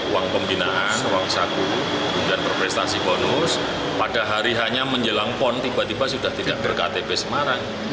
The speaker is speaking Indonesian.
uang pembinaan uang saku dan berprestasi bonus pada hari hanya menjelang pon tiba tiba sudah tidak berktp semarang